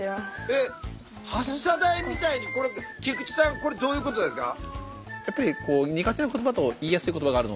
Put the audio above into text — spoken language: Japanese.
えっ発射台みたいに菊池さんこれどういうことですか？